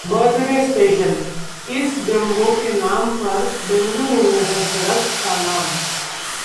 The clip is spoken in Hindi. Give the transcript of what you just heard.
बर्थडे स्पेशल: इस जंबो के नाम पर बेंगलुरू में है सड़क का नाम